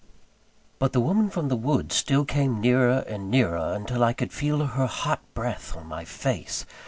But the woman from the woods still came nearer and nearer, until I could feel her hot breath on my face.